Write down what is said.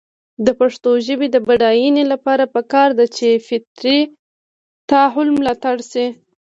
د پښتو ژبې د بډاینې لپاره پکار ده چې فطري تحول ملاتړ شي.